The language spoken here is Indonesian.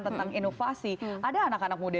tentang inovasi ada anak anak muda